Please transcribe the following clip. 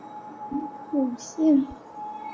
满浦线